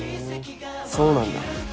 そうなんだ。